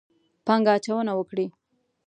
پانګه اچونه وکړي.